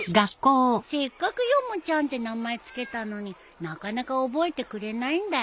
せっかくヨモちゃんって名前付けたのになかなか覚えてくれないんだよ。